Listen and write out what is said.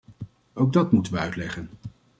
Ook dat moeten we uitleggen.